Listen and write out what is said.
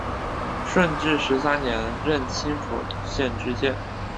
顺治十三年任青浦县知县。